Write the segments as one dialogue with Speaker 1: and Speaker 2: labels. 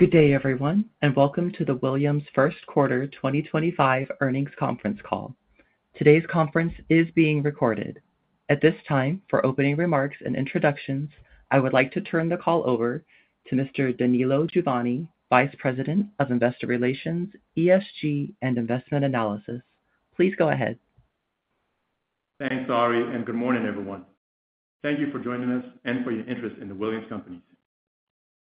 Speaker 1: Good day everyone and welcome to the Williams first quarter 2025 earnings conference call. Today's conference is being recorded. At this time for opening remarks and introductions, I would like to turn the call over to Mr. Danilo Juvane, Vice President of Investor Relations, ESG and Investment Analysis. Please go ahead.
Speaker 2: Thanks, Ari. Good morning everyone. Thank you for joining us and for your interest in The Williams Companies.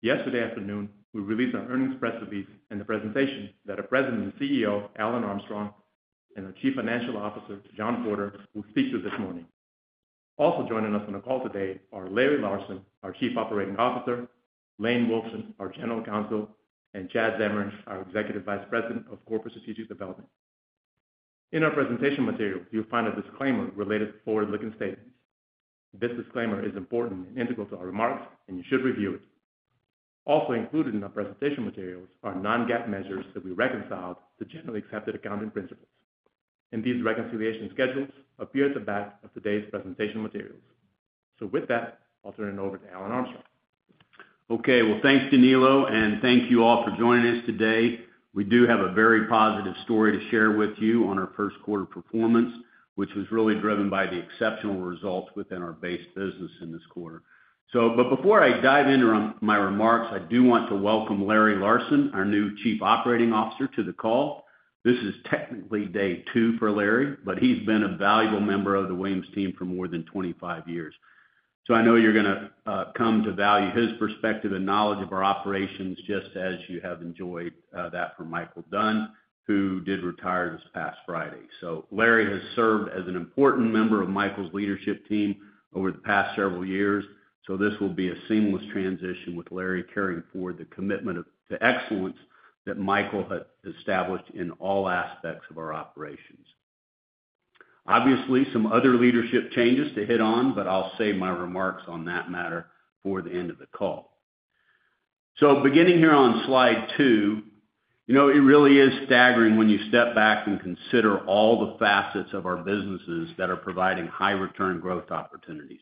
Speaker 2: Yesterday afternoon we released our earnings press release and the presentation that our President and CEO Alan Armstrong and our Chief Financial Officer John Porter will speak to this morning. Also joining us on the call today are Larry Larsen, our Chief Operating Officer, Lane Wilson, our General Counsel, and Chad Zamarin, our Executive Vice President of Corporate Strategic Development. In our presentation material you'll find a disclaimer related to forward looking statements. This disclaimer is important and integral to our remarks and you should review it. Also included in our presentation materials are non-GAAP measures that we reconciled to Generally Accepted Accounting Principles. These reconciliation schedules appear at the back of today's presentation materials. With that, I'll turn it over to Alan Armstrong.
Speaker 3: Okay. Thanks, Danilo, and thank you all for joining us today. We do have a very positive story to share with you on our first quarter performance, which was really driven by the exceptional results within our base business in this quarter. So before I dive into my remarks, I do want to welcome Larry Larson, our new Chief Operating Officer, to the call. This is technically day two for Larry, but he's been a valuable member of the Williams team for more than 25 years. I know you're going to come to value his perspective and knowledge of our operations, just as you have enjoyed that for Micheal Dunn, who did retire this past Friday. Larry has served as an important member of Micheal's leadership team over the past several years. This will be a seamless transition with Larry carrying forward the commitment to excellence that Michael has established in all aspects of our operations. Obviously some other leadership changes to hit on, but I'll save my remarks on that matter before the end of the call. Beginning here on slide two. You know, it really is staggering when you step back and consider all the facets of our businesses that are providing high return growth opportunities.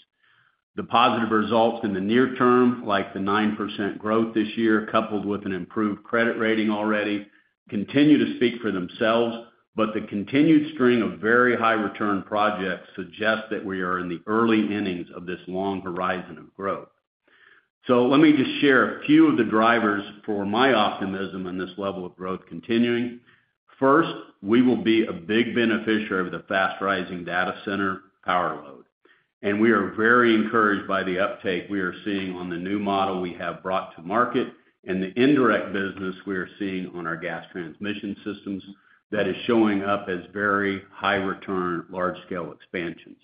Speaker 3: The positive results in the near term, like the 9% growth this year coupled with an improved credit rating, already continue to speak for themselves. The continued string of very high return projects suggest that we are in the early innings of this long horizon of growth. Let me just share a few of the drivers for my optimism in this level of growth. Continuing. First, we will be a big beneficiary of the fast rising data center power load and we are very encouraged by the uptake we are seeing on the new model we have brought to market and the indirect business we are seeing on our gas transmission systems that is showing up as very high return large scale expansions.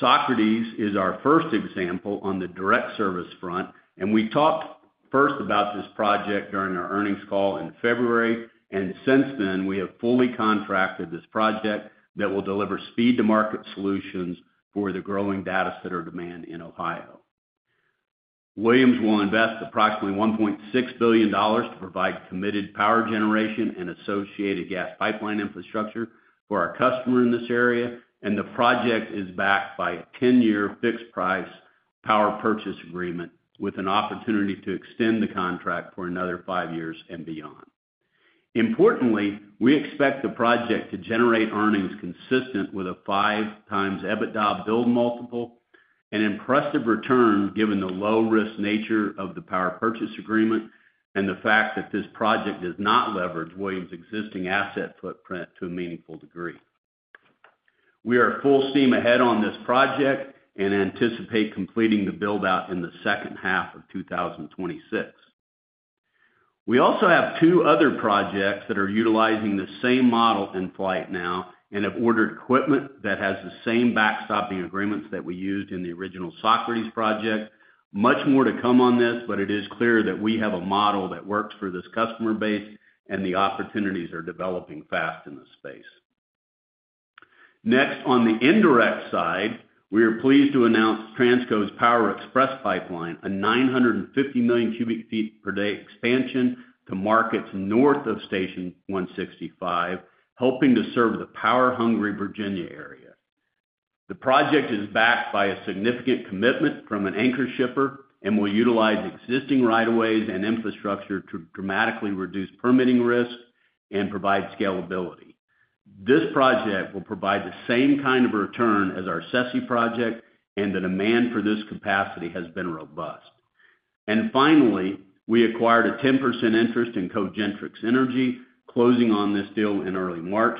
Speaker 3: Socrates is our first example on the direct service front and we talked first about this project during our earnings call in February and since then we have fully contracted this project that will deliver speed to market solutions for the growing data center demand in Ohio. Williams will invest approximately $1.6 billion to provide committed power generation and associated gas pipeline infrastructure for our customer in this area and the project is backed by a 10-year fixed price power purchase agreement with an opportunity to extend the contract for another five years and beyond. Importantly, we expect the project to generate earnings consistent with a 5 times EBITDA build multiple, an impressive return. Given the low risk nature of the power purchase agreement and the fact that this project does not leverage Williams' existing asset footprint to a meaningful degree, we are full steam ahead on this project and anticipate completing the build out in the second half of 2026. We also have two other projects that are utilizing the same model in flight now and have ordered equipment that has the same backstopping agreements that we used in the original Socrates project. Much more to come on this, but it is clear that we have a model that works for this customer base and the opportunities are developing fast in the space. Next, on the indirect side, we are pleased to announce Transco's Power Express pipeline, a 950 MMcf/d expansion to markets north of Station 165 helping to serve the power-hungry Virginia area. The project is backed by a significant commitment from an anchor shipper and will utilize existing right of ways and infrastructure to dramatically reduce permitting risk and provide scalability. This project will provide the same kind of return as our SESE project and the demand for this capacity has been robust. Finally, we acquired a 10% interest in Cogentrix Energy closing on this deal in early March.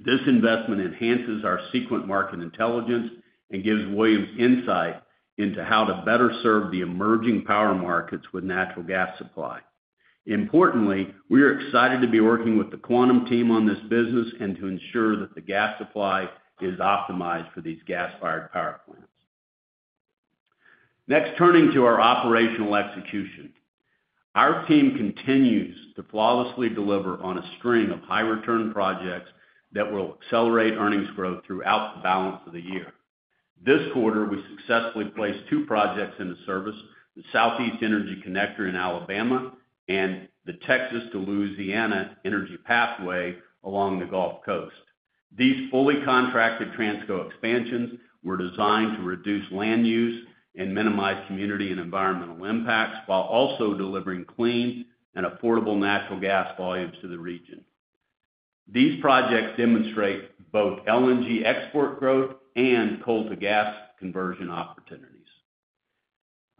Speaker 3: This investment enhances our Sequent market intelligence and gives Williams insight into how to better serve the emerging power markets with natural gas supply. Importantly, we are excited to be working with the Quantum team on this business and to ensure that the gas supply is optimized for these gas fired power plants. Next, turning to our operational execution, our team continues to flawlessly deliver on a string of high return projects that will accelerate earnings growth throughout the balance of the year. This quarter we successfully placed two projects into service, the Southeast Energy Connector in Alabama and the Texas to Louisiana Energy Pathway along the Gulf Coast. These fully contracted Transco expansions were designed to reduce land use and minimize community and environmental impacts while also delivering clean and affordable natural gas volumes to the region. These projects demonstrate both LNG export growth and coal to gas conversion opportunities.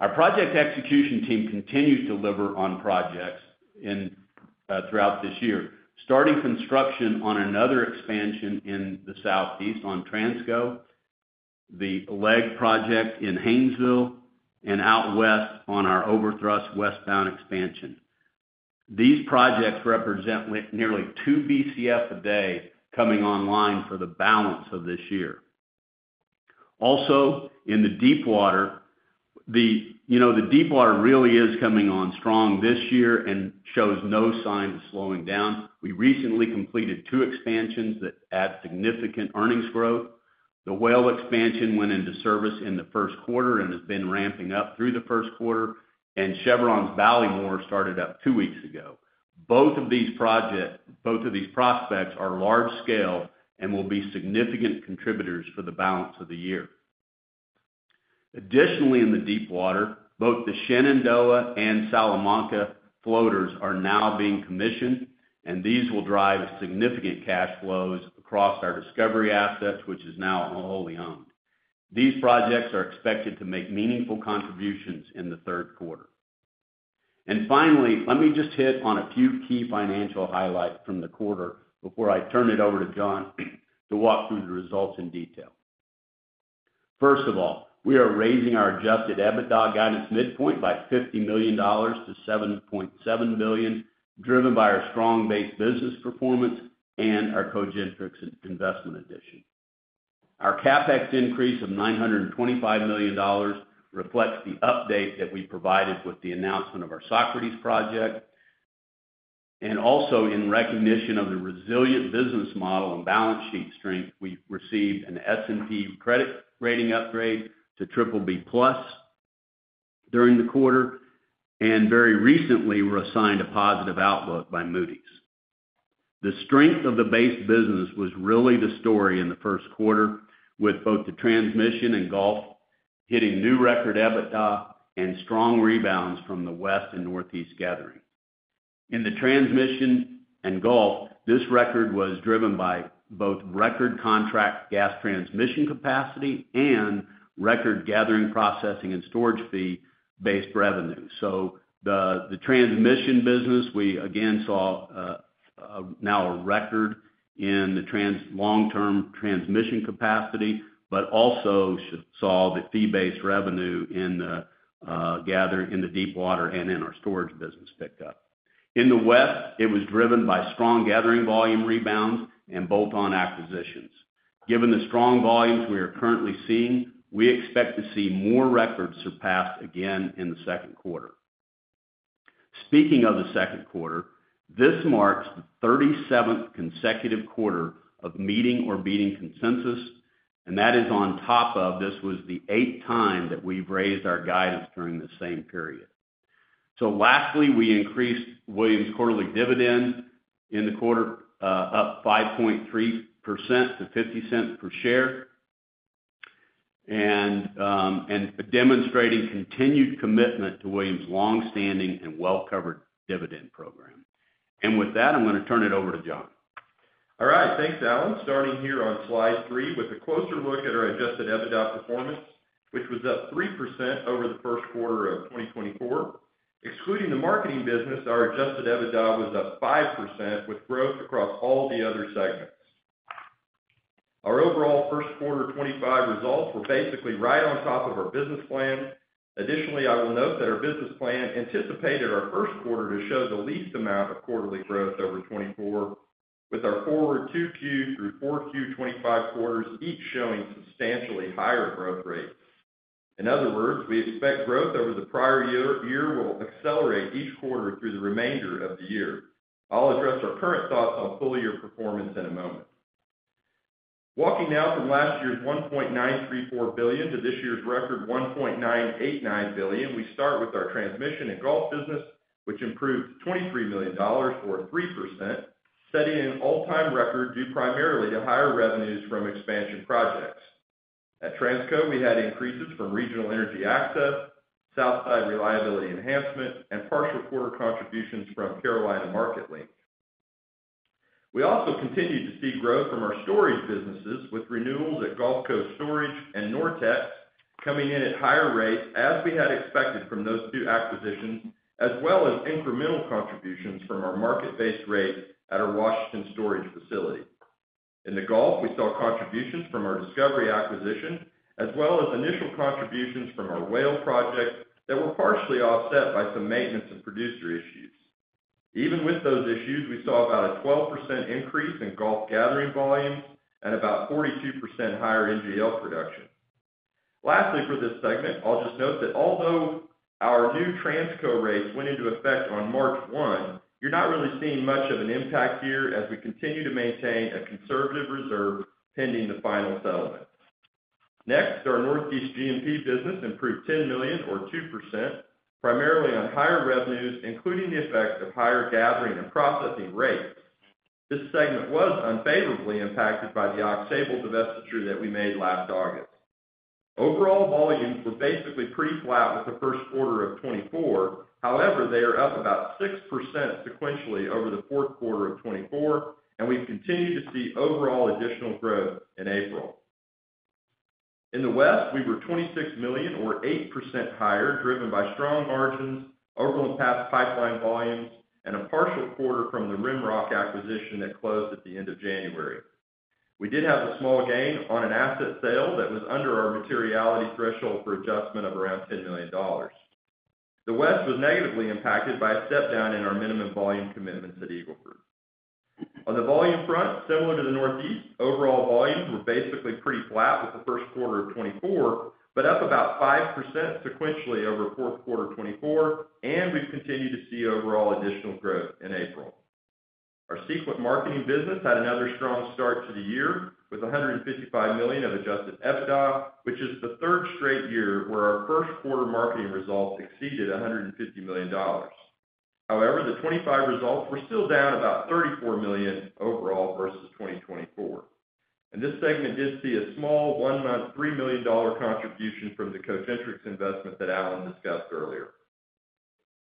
Speaker 3: Our project execution team continues to deliver on projects throughout this year, starting construction on another expansion in the southeast on Transco, the LEG project in Haynesville and out west on our Overthrust Westbound Expansion. These projects represent nearly 2 Bcf a day coming online for the balance of this year. Also in the Deepwater, the Deepwater really is coming on strong this year and shows no sign of slowing down. We recently completed two expansions that add significant earnings growth. The Whale expansion went into service in the first quarter and has been ramping up through the first quarter and Chevron's Ballymore started up two weeks ago. Both of these projects, both of these prospects are large scale and will be significant contributors for the balance of the year. Additionally, in the Deepwater, both the Shenandoah and Salamanca floaters are now being commissioned and these will drive significant cash flows across our Discovery assets which is now wholly owned. These projects are expected to make meaningful contributions in the third quarter. Finally, let me just hit on a few key financial highlights from the quarter before I turn it over to John to walk through the results in detail. First of all, we are raising our adjusted EBITDA guidance midpoint by $50 million-$7.7 billion driven by our strong base business performance and our Cogentrix investment addition. Our CapEx increase of $925 million reflects the update that we provided with the announcement of our Socrates project and also in recognition of the resilient business model and balance sheet strength, we received an S&P credit rating upgrade to BBB+ during the quarter and very recently were assigned a positive outlook by Moody's. The strength of the base business was really the story in the first quarter with both the Transmission & Gulf hitting new record EBITDA and strong rebounds from the West and Northeast gathering in the Transmission & Gulf. This record was driven by both record contract gas transmission capacity and record gathering, processing, and storage fee-based revenue. In the transmission business we again saw now a record in the long-term transmission capacity but also saw the fee-based revenue in the Deepwater and in our storage business pick up. In the West it was driven by strong gathering volume rebounds and bolt-on acquisitions. Given the strong volumes we are currently seeing we expect to see more records surpassed again in the second quarter. Speaking of the second quarter, this marks the 37th consecutive quarter of meeting or beating consensus and that is on top of this was the eighth time that we've raised our guidance during the same period. Lastly, we increased Williams quarterly dividend in the quarter up 5.3% to $0.50 per share. Demonstrating continued commitment to Williams' longstanding and well-covered dividend program. With that, I'm going to turn it over to John.
Speaker 4: All right, thanks Alan. Starting here on slide three with a closer look at our adjusted EBITDA performance, which was up 3% over the first quarter of 2024. Excluding the marketing business, our adjusted EBITDA was up 5% with growth across all the other segments. Our overall first quarter 2025 results were basically right on top of our business plan. Additionally, I will note that our business plan anticipated our first quarter to show the least amount of quarterly growth over 2020, with our forward 2Q through 4Q 2025 quarters each showing substantially higher growth rates. In other words, we expect growth over the prior year will accelerate each quarter through the remainder of the year. I'll address our current thoughts on full year performance in a moment. Walking now from last year's $1.934 billion to this year's record $1.989 billion. We start with our Transmission & Gulf business which improved $23 million or 3%, setting an all-time record due primarily to higher revenues from expansion projects at Transco. We had increases from Regional Energy Access, Southside Reliability Enhancement, and partial quarter contributions from Carolina Market Link. We also continued to see growth from our storage businesses with renewals at Gulf Coast Storage and NorTex coming in at higher rates as we had expected from those two acquisitions, as well as incremental contributions from our market-based rate. At our Washington storage facility in the Gulf, we saw contributions from our Discovery acquisition as well as initial contributions from our Whale project that were partially offset by some maintenance and producer issues. Even with those issues, we saw about a 12% increase in Gulf gathering volumes and about 42% higher NGL production. Lastly, for this segment, I'll just note that although our new Transco rates went into effect on March 1, you're not really seeing much of an impact here as we continue to maintain a conservative reserve pending the final settlement. Next, our Northeast G&P business improved $10 million or 2% primarily on higher revenues, including the effect of higher gathering and processing rates. This segment was unfavorably impacted by the Aux Sable divestiture that we made last August. Overall volumes were basically pretty flat with the first quarter of 2024. However, they are up about 6% sequentially over the fourth quarter of 2024 and we continue to see overall additional growth in April. In the West we were $26 million or 8% higher, driven by strong margins, Overland Pass pipeline volumes, and a partial quarter from the Rimrock acquisition that closed at the end of January. We did have a small gain on an asset sale that was under our materiality threshold for adjustment of around $10 million. The West was negatively impacted by a step down in our minimum volume commitments at Eagle Ford. On the volume front, similar to the Northeast, overall volumes were basically pretty flat with the first quarter 2024, but up about 5% sequentially over the fourth quarter 2024, and we've continued to see overall additional growth. In April, our Sequent marketing business had another strong start to the year with $155 million of adjusted EBITDA, which is the third straight year where our first quarter marketing results exceeded $150 million. However, the 2025 results were still down about $34 million overall versus 2024 and this segment did see a small one month $3 million contribution from the Cogentrix investment that Alan discussed earlier.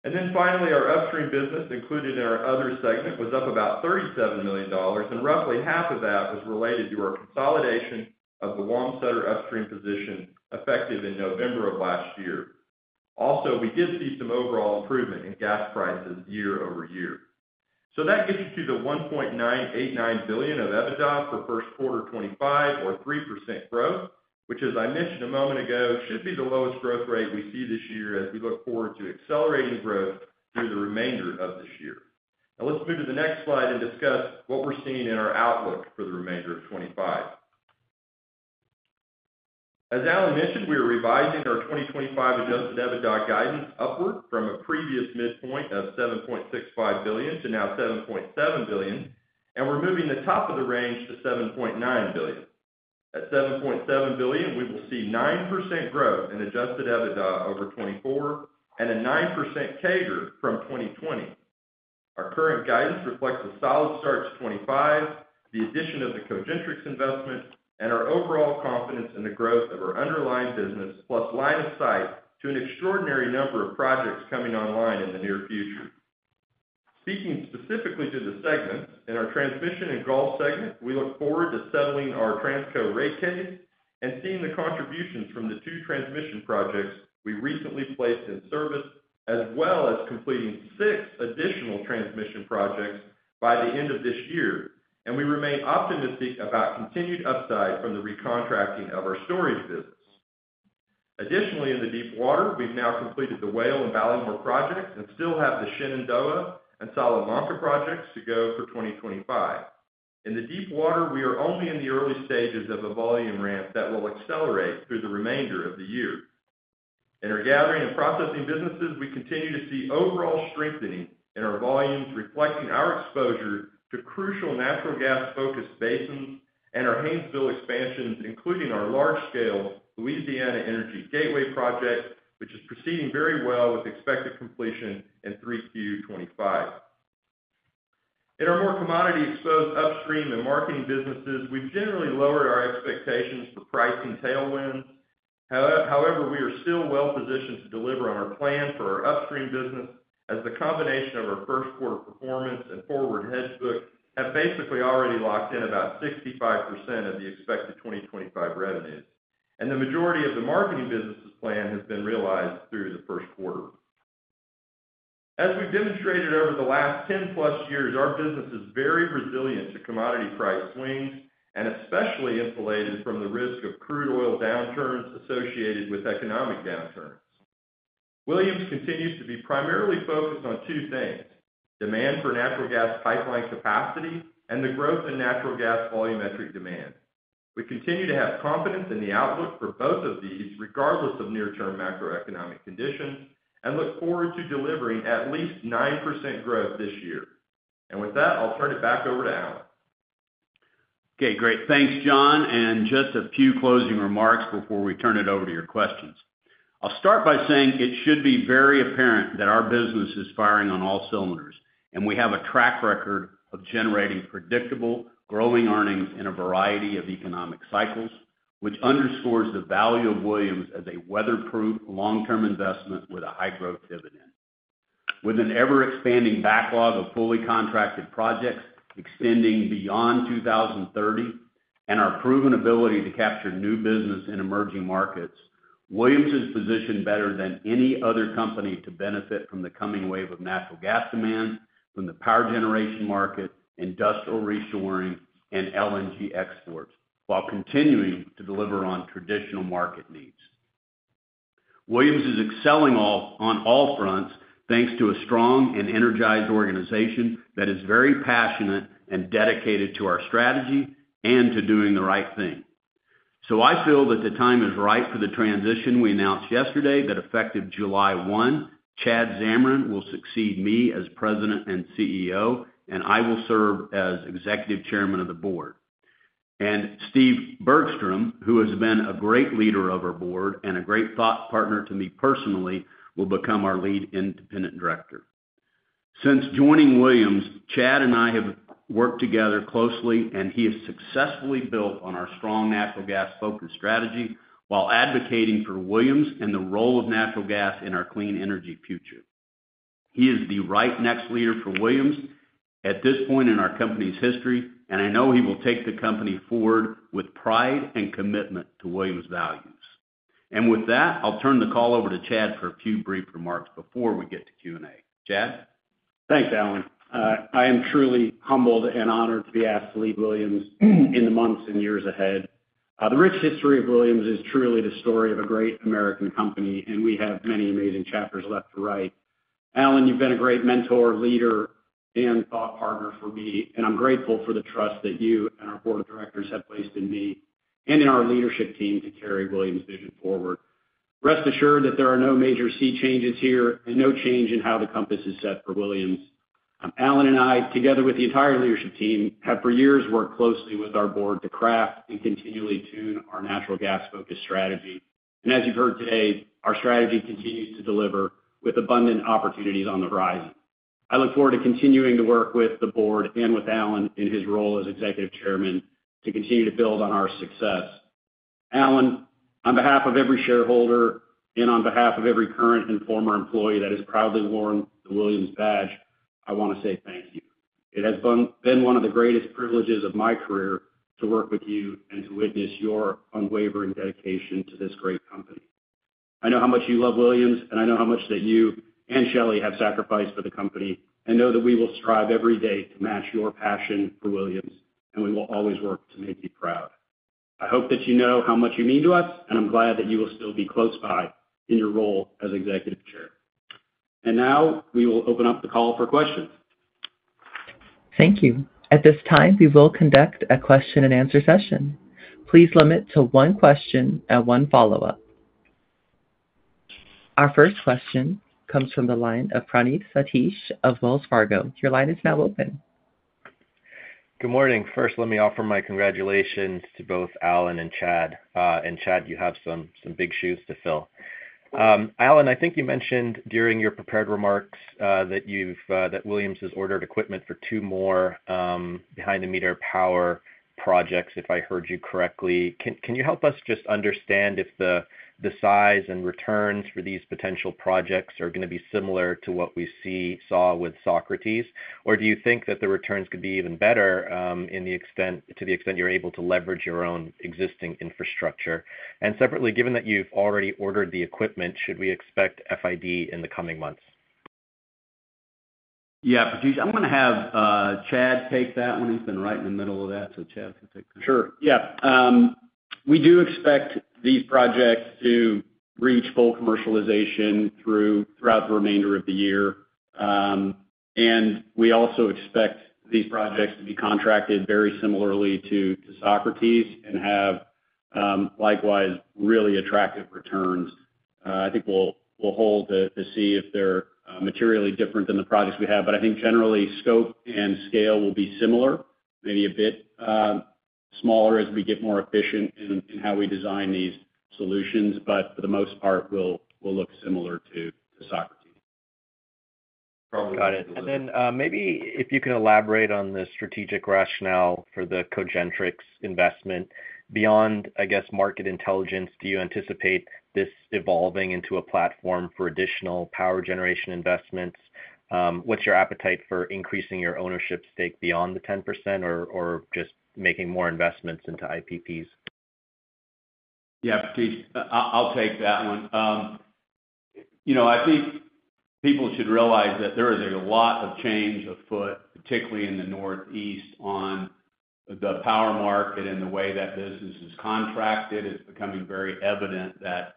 Speaker 4: Finally, our Upstream business included in our other segment was up about $37 million and roughly half of that was related to our consolidation of the Wamsutter upstream position effective in November of last year. Also, we did see some overall improvement in gas prices year-over-year. That gets you to the $1.989 billion of EBITDA for first quarter 2025 or 3% growth, which, as I mentioned a moment ago, should be the lowest growth rate we see this year as we look forward to accelerating growth through the remainder of this year. Now let's move to the next slide and discuss what we're seeing in our outlook for the remainder of 2025. As Alan mentioned, we are revising our 2025 adjusted EBITDA guidance upward from a previous midpoint of $7.65 billion to now $7.7 billion, and we're moving the top of the range to $7.9 billion. At $7.7 billion, we will see 9% growth in adjusted EBITDA over 2024 and a 9% CAGR from 2020. Our current guidance reflects a solid start to 2025, the addition of the Cogentrix investment and our overall confidence in the growth of our underlying business plus line of sight to an extraordinary number of projects coming online in the near future. Speaking specifically to the segments in our Transmission & Gulf segment. We look forward to settling our Transco rate case and seeing the contributions from the two transmission projects we recently placed in service, as well as completing six additional transmission projects by the end of this year, and we remain optimistic about continued upside from the recontracting of our storage business. Additionally, in the Deepwater, we've now completed the Whale and Ballymore projects and still have the Shenandoah and Salamanca projects to go for 2025. In the Deepwater, we are only in the early stages of a volume ramp that will accelerate through the remainder of the year. In our gathering and processing businesses, we continue to see overall strengthening in our volumes, reflecting our exposure to crucial natural gas focused basins and our Haynesville expansions, including our large-scale Louisiana Energy Gateway project, which is proceeding very well with expected completion in 3Q 2025. In our more commodity exposed Upstream and Marketing businesses, we've generally lowered our expectations for pricing tailwinds. However, we are still well positioned to deliver on our plan for our Upstream business as the combination of our first quarter performance and forward hedge book have basically already locked in about 65% of the expected 2025 revenues and the majority of the marketing business plan has been realized through the first quarter. As we've demonstrated over the last 10-plus years, our business is very resilient to commodity price swings and especially insulated from the risk of crude oil downturns associated with economic downturns. Williams continues to be primarily focused on two things, demand for natural gas pipeline capacity and the growth in natural gas volumetric demand. We continue to have confidence in the outlook for both of these regardless of near term macroeconomic conditions and look forward to delivering at least 9% growth this year. With that, I'll turn it back over to Alan.
Speaker 3: Okay, great. Thanks, John. Just a few closing remarks before we turn it over to your questions. I'll start by saying it should be very apparent that our business is firing on all cylinders and we have a track record of generating predictable, growing earnings in a variety of economic cycles, which underscores the value of Williams as a weatherproof, long-term investment with a high-growth dividend. With an ever-expanding backlog of fully contracted projects extending beyond 2030 and our proven ability to capture new business in emerging markets, Williams is positioned better than any other company to benefit from the coming wave of natural gas demand from the power generation market, industrial reshoring, and LNG exports while continuing to deliver on traditional market needs. Williams is excelling on all fronts thanks to a strong and energized organization that is very passionate and dedicated to our strategy and to doing the right thing. I feel that the time is right for the transition. We announced yesterday that effective July 1, Chad Zamarin will succeed me as President and CEO and I will serve as Executive Chairman of the board. Steve Bergstrom, who has been a great leader of our board and a great thought partner to me personally, will become our lead independent director. Since joining Williams, Chad and I have worked together closely and he has successfully built on our strong natural gas focused strategy while advocating for Williams and the role of natural gas in our clean energy future. He is the right next leader for Williams at this point in our company's history. I know he will take the company forward with pride and commitment to Williams values. With that, I'll turn the call over to Chad for a few brief remarks before we get to Q&A. Chad.
Speaker 5: Thanks, Alan. I am truly humbled and honored to be asked to lead Williams in the months and years ahead. The rich history of Williams is truly the story of a great American company and we have many amazing chapters left to write. Alan, you've been a great mentor, leader and thought partner for me and I'm grateful for the trust that you and our board of directors have placed in me and in our leadership team to carry Williams vision forward. Rest assured that there are no major sea changes here and no change in how the compass is set for Williams. Alan and I, together with the entire leadership team, have for years worked closely with our board to craft and continually tune our natural gas focused strategy. As you have heard today, our strategy continues to deliver with abundant opportunities on the horizon. I look forward to continuing to work with the board and with Alan in his role as Executive Chairman to continue to build on our success. Alan, on behalf of every shareholder and on behalf of every current and former employee that has proudly worn the Williams badge, I want to say thank you. It has been one of the greatest privileges of my career to work with you and to witness your unwavering dedication to this great company. I know how much you love Williams and I know how much that you and Shelly have sacrificed for the company. We will strive every day to match your passion for Williams and we will always work to make you proud. I hope that you know how much you mean to us and I'm glad that you will still be close by in your role as Executive Chair. Now we will open up the call for questions.
Speaker 1: Thank you. At this time, we will conduct a question and answer session. Please limit to one question and one follow up. Our first question comes from the line of Praneeth Satish of Wells Fargo. Your line is now open.
Speaker 6: Good morning. First, let me offer my congratulations to both Alan and Chad. Chad, you have some big shoes to fill. Alan, I think you mentioned during your prepared remarks that Williams has ordered equipment for two more behind the meter power projects, if I heard you correctly. Can you help us just understand if the size and returns for these potential projects are going to be similar to what we saw with Socrates, or do you think that the returns could be even better to the extent you're able to leverage your own existing infrastructure? Separately, given that you've already ordered the equipment, should we expect FID in the coming months?
Speaker 3: Yeah, I'm going to have Chad take that one. He's been right in the middle of that. Chad can take that.
Speaker 5: Sure. Yeah. We do expect these projects to reach full commercialization throughout the remainder of the year. We also expect these projects to be contracted very similarly to Socrates and have likewise really attractive returns. I think we'll hold to see if they're materially different than the projects we have, but I think generally scope and scale will be similar, maybe a bit smaller as we get more efficient in how we design these solutions, but for the most part will look similar to Socrates.
Speaker 6: Got it. Maybe if you can elaborate on the strategic rationale for the Cogentrix investment beyond, I guess, market intelligence. Do you anticipate this evolving into a platform for additional power generation investments? What's your appetite for increasing your ownership stake beyond the 10% or just making more investments into IPPs?
Speaker 3: Yeah, I'll take that one. You know, I think people should realize that there is a lot of change afoot, particularly in the Northeast on the power market and the way that business is contracted. It is becoming very evident that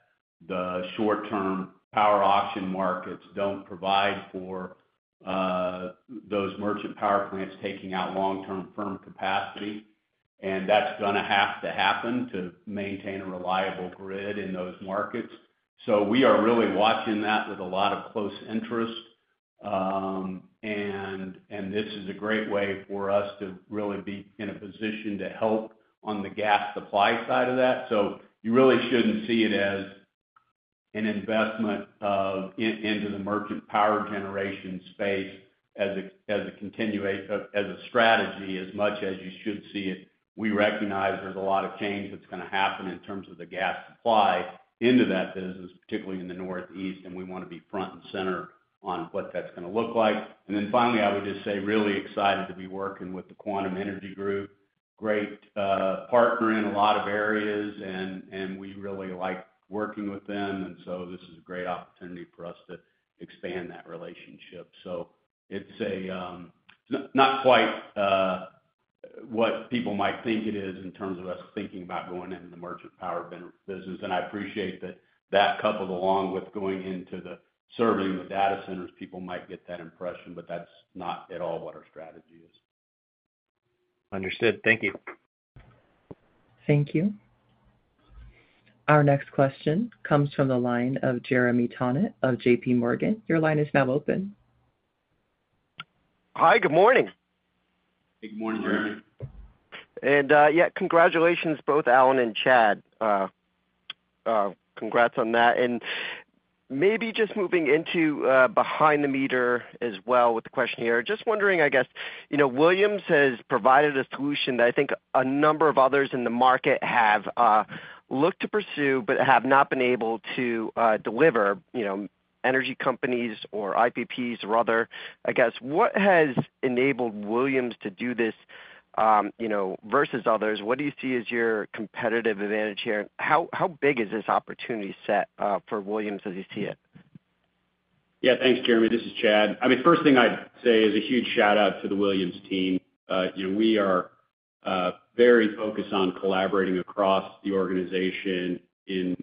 Speaker 3: the short term power auction markets do not provide for those merchant power plants taking out long term firm capacity, and that is going to have to happen to maintain a reliable grid in those markets. We are really watching that with a lot of close interest and this is a great way for us to really be in a position to help on the gas supply side of that. You really should not see it as an investment into the merchant power generation space as a strategy as much as you should see it. We recognize there's a lot of change that's going to happen in terms of the gas supply into that business, particularly in the Northeast, and we want to be front and center on what that's going to look like. Finally, I would just say really excited to be working with the Quantum Energy group. Great partner in a lot of areas and we really like working with them. This is a great opportunity for us to expand that relationship. It is not quite what people might think it is in terms of us thinking about going into the merchant power business. I appreciate that. That, coupled along with going into serving the data centers, people might get that impression, but that's not at all what our strategy is.
Speaker 6: Understood. Thank you.
Speaker 1: Thank you. Our next question comes from the line of Jeremy Tonet of JPMorgan. Your line is now open.
Speaker 7: Hi, good morning.
Speaker 3: Good morning, Jeremy.
Speaker 7: Yeah, congratulations both Alan and Chad, congrats on that. Maybe just moving into behind the meter as well with the questionnaire. Just wondering, I guess, you know, Williams has provided us that I think a number of others in the market have looked to pursue but have not been able to deliver. Energy companies or IPPs or other. What has enabled Williams to do this versus others? What do you see as your competitive advantage here? How big is this opportunity set for Williams as you see it?
Speaker 5: Yeah, thanks, Jeremy. This is Chad. First thing I'd say is a huge shout out to the Williams team. We are very focused on collaborating across the organization in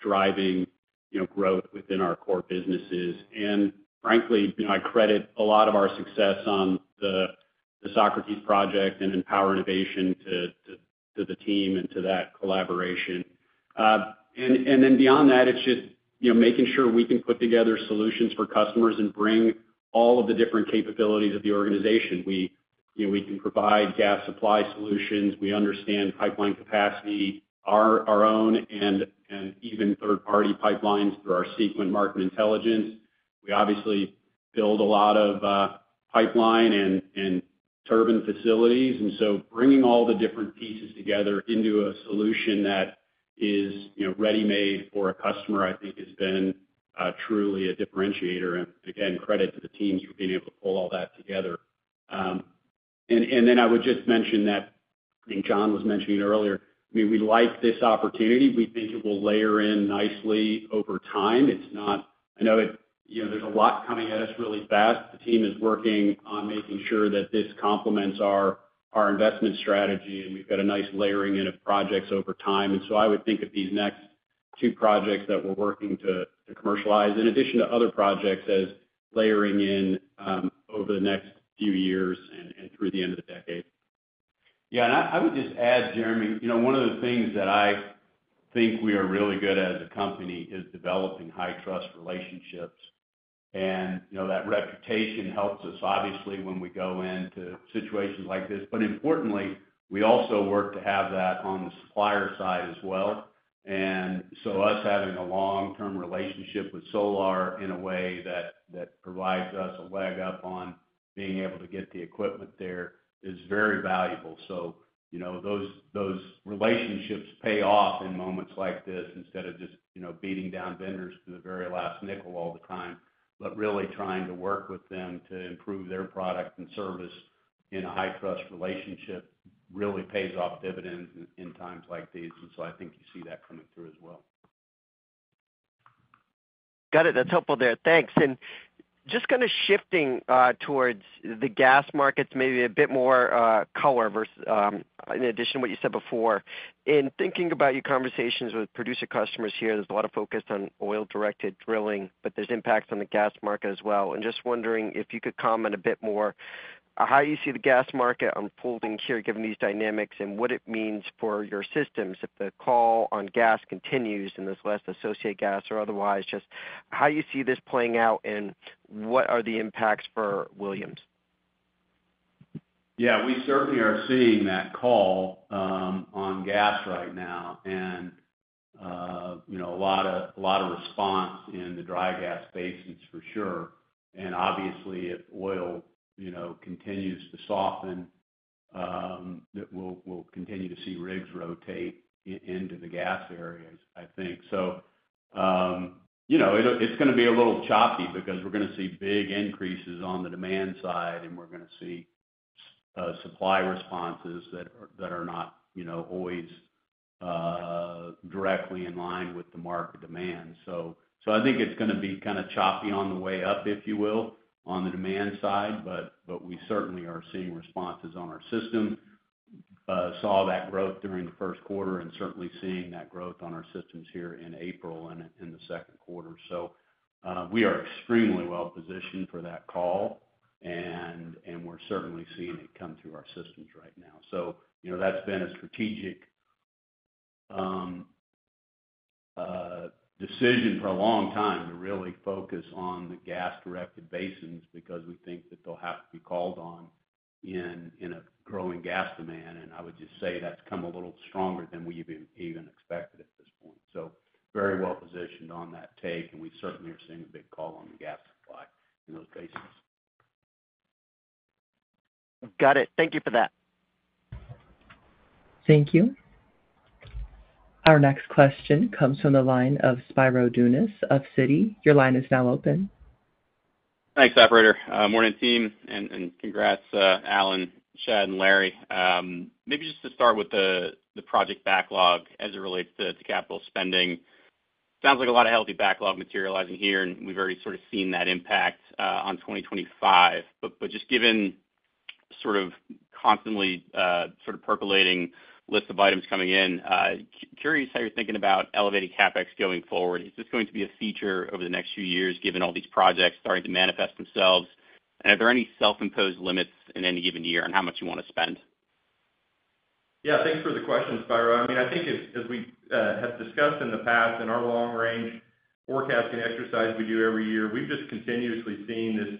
Speaker 5: driving growth within our core businesses. Frankly, I credit a lot of our success on the Socrates project and empower innovation to the team and to that collaboration. Beyond that, it is just making sure we can put together solutions for customers and bring all of the different capabilities of the organization. We can provide gas supply solutions, we understand pipeline capacity, our own and even third party pipelines. Through our Sequent market intelligence, we obviously build a lot of pipeline and turbine facilities. Bringing all the different pieces together into a solution that is ready made for a customer I think has been truly a differentiator. Again, credit to the teams for being able to pull all that together. I would just mention that John was mentioning earlier, we like this opportunity. We think it will layer in nicely over time. It's not, I know there's a lot coming at us really fast. The team is working on making sure that this complements our investment strategy. We've got a nice layering in of projects over time. I would think of these next two projects that we're working to commercialize in addition to other projects as layering in over the next few years and through the end of the decade.
Speaker 3: I would just add, Jeremy, you know, one of the things that I think we are really good at as a company is developing high trust relationships. You know, that reputation helps us obviously when we go into situations like this. Importantly, we also work to have that on the supplier side as well. Us having a long term relationship with Solar in a way that provides us a leg up on being able to get the equipment there is very valuable. You know, those relationships pay off in moments like this. Instead of just beating down vendors to the very last nickel all the time, really trying to work with them to improve their product and service in a high trust relationship really pays off dividends in times like these. I think you see that coming through as well.
Speaker 7: Got it. That's helpful there. Thanks. Just kind of shifting towards the gas markets, maybe a bit more color in addition to what you said before in thinking about your conversations with producer customers here. There's a lot of focus on oil directed drilling, but there's impacts on the gas market as well. Just wondering if you could comment a bit more how you see the gas market unfolding here given these dynamics and what it means for your systems if the call on gas continues and there's less associated gas or otherwise. Just how you see this playing out and what are the impacts for Williams?
Speaker 3: Yeah, we certainly are seeing that call on gas right now and, you know, a lot of response in the dry gas basins for sure. Obviously if oil continues to soften, we'll continue to see rigs rotate into the gas areas, I think. It's going to be a little choppy because we're going to see big increases on the demand side and we're going to see supply responses that are not always directly in line with the market demand. So I think it's going to be kind of choppy on the way up, if you will, on the demand side. We certainly are seeing responses on our system, saw that growth during the first quarter and certainly seeing that growth on our systems here in April and in the second quarter. We are extremely well positioned for that call and we're certainly seeing it come through our systems right now. That's been a strategic decision for a long time to really focus on the gas directed basins because we think that they'll have to be called on in a growing gas demand. I would just say that's come a little stronger than we even expected at this point. Very well positioned on that take and we certainly are seeing a big call on the gas supply in those basins.
Speaker 7: Got it. Thank you for that.
Speaker 1: Thank you. Our next question comes from the line of Spiro Dounis of Citi. Your line is now open.
Speaker 8: Thanks, operator. Morning team. And congrats, Alan, Chad and Larry. Maybe just to start with the project backlog as it relates to capital spending. Sounds like a lot of healthy backlog materializing here. We've already sort of seen that impact on 2025, but just given sort of constantly sort of percolating list of items coming in. Curious how you're thinking about elevated CapEx going forward. Is this going to be a feature over the next few years, given all these projects starting to manifest themselves, are there any self imposed limits in any given year on how much you want to spend?
Speaker 4: Yes, thanks for the question, Spiro. I mean, I think as we have discussed in the past in our long range forecasting exercise we do every year, we've just continuously seen this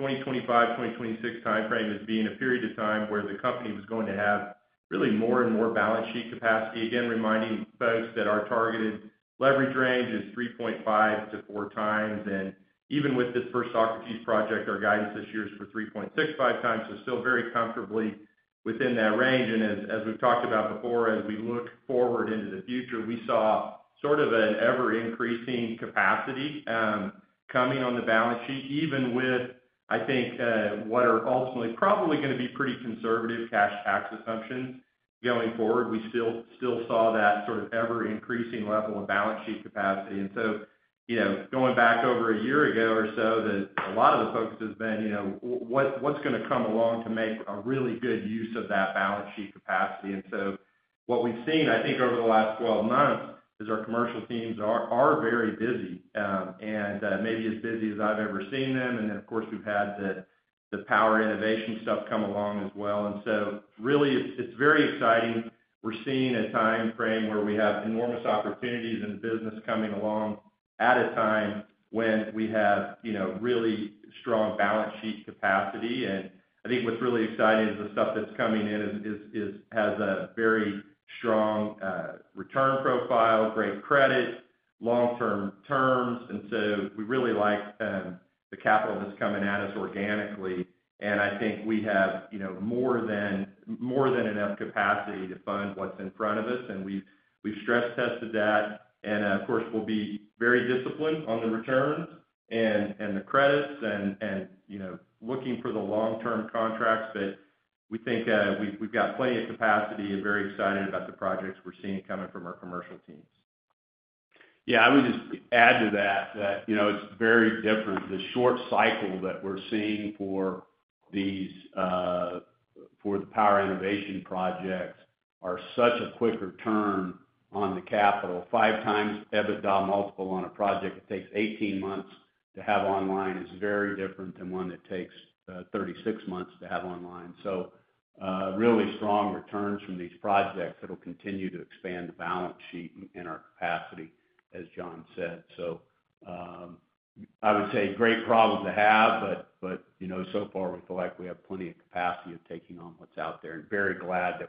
Speaker 4: 2025-2026 timeframe as being a period of time where the company was going to have really more and more balance sheet capacity. Again reminding folks that our targeted leverage range is 3.5-4 times. Even with this first Socrates project, our guidance this year is for 3.65 times. Still very comfortably within that range. As we've talked about before as we look forward into the future, we saw sort of an ever increasing capacity coming on the balance sheet. Even with I think what are ultimately probably going to be pretty conservative cash tax assumptions going forward, we still saw that sort of ever increasing level of balance sheet capacity. You know, going back over a year ago or so, a lot of the focus has been, you know, what's going to come along to make a really good use of that balance sheet component. What we've seen, I think over the last 12 months, is our commercial teams are very busy and maybe as busy as I've ever seen them. Of course we've had the power innovation stuff come along as well. It is very exciting. We are seeing a time frame where we have enormous opportunities in business coming along. At a time when we have really strong balance sheet capacity. I think what's really exciting is the stuff that's coming in has a very strong return profile, great credit, long term terms. We really like the capital that's coming at us organically. I think we have more than enough capacity to fund what's in front of us. We have stress tested that. Of course, we will be very disciplined on the returns and the credits and looking for the long-term contracts. We think we have plenty of capacity and are very excited about the projects we are seeing coming from our commercial teams.
Speaker 3: Yeah, I would just add to that. It's very different the short cycle that we're seeing for these power innovation projects are such a quick return on the capital. Five times EBITDA multiple on a project it takes 18 months to have online is very different than one that takes 36 months to have online. Really strong returns from these projects that will continue to expand the balance sheet and our capacity, as John said. I would say great problem to have, but so far we feel like we have plenty of capacity of taking on what's out there and very glad that